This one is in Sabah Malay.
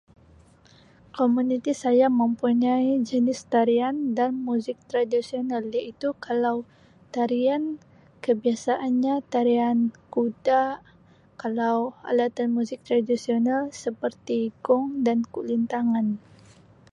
Komuniti saya mempunyai jenis tarian dan muzik tradisional iaitu kalau tarian kebiasaanya tarian kuda kalau alatan muzik tradisional seperti gong dan kulintangan